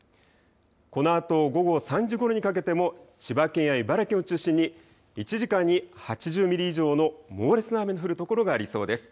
このあと午後３時ごろにかけても千葉県や茨城県を中心に１時間に８０ミリ以上の猛烈な雨の降る所がありそうです。